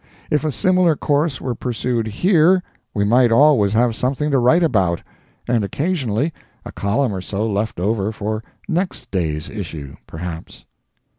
If a similar course were pursued here, we might always have something to write about—and occasionally a column or so left over for next day's issue, perhaps.